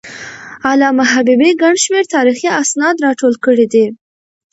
علامه حبيبي ګڼ شمېر تاریخي اسناد راټول کړي دي.